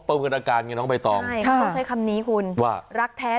ประเมินอาการมาไปต่อใช่ต้องใช้คำนี้คุณว่ารักแท้